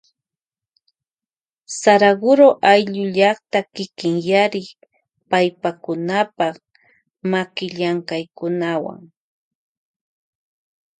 Saraguro ayllu llakta kikinyarin paypakunapa makillamkaykunawa.